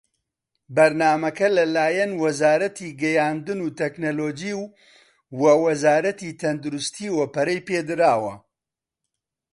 بەرنامەکە لە لایەن وەزارەتی گەیاندن وتەکنەلۆجی و وە وەزارەتی تەندروستییەوە پەرەی پێدراوە.